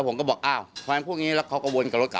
พูดอย่างนี้กับเราน่ะ